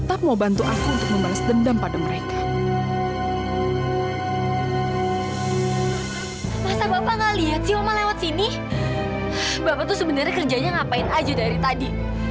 bapak tuh sebenarnya kerjanya ngapain aja dari tadi